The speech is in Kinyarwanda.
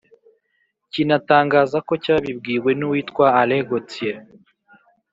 kinatangaza ko cyabibwiwe n'uwitwa alain gauthier,